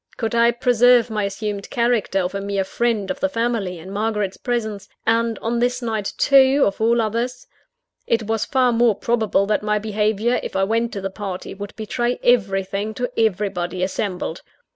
Could I preserve my assumed character of a mere friend of the family, in Margaret's presence? and on this night too, of all others? It was far more probable that my behaviour, if I went to the party, would betray everything to everybody assembled.